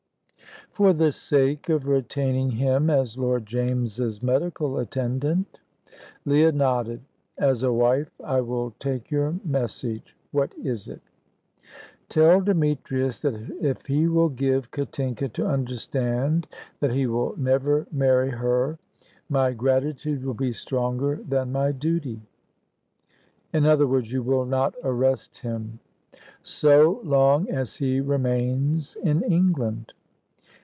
"For the sake of retaining him as Lord James's medical attendant." Leah nodded. "As a wife, I will take your message. What is it?" "Tell Demetrius that if he will give Katinka to understand that he will never marry her my gratitude will be stronger than my duty." "In other words, you will not arrest him." "So long as he remains in England."